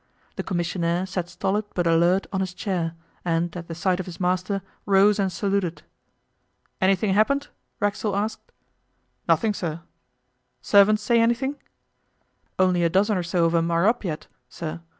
The commissionaire sat stolid, but alert on his chair, and, at the sight of his master, rose and saluted. 'Anything happened?' Racksole asked. 'Nothing, sir.' 'Servants say anything?' 'Only a dozen or so of 'em are up yet, sir.